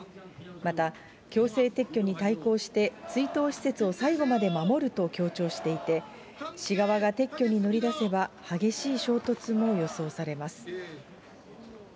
また、強制撤去に対抗して、追悼施設を最後まで守ると強調していて、市側が撤去に乗り出せば、激しい衝突も予想されます。